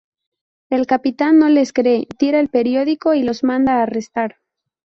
El capitán no les cree, tira el periódico y los manda arrestar.